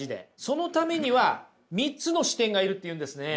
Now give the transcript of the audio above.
そのためには３つの視点がいるって言うんですね。